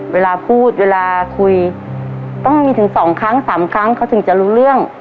เวลาพูดเวลาคุยต้องมีถึง๒ครั้ง๓ครั้งเขาถึงจะรู้เรื่อง